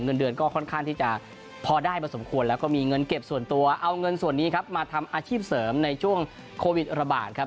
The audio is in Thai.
เงินเดือนก็ค่อนข้างที่จะพอได้พอสมควรแล้วก็มีเงินเก็บส่วนตัวเอาเงินส่วนนี้ครับมาทำอาชีพเสริมในช่วงโควิดระบาดครับ